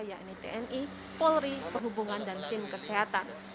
yakni tni polri perhubungan dan tim kesehatan